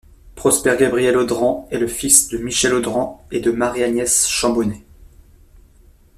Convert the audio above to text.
Prosper Gabriel Audran est le fils de Michel Audran et de Marie Agnès Chambonet.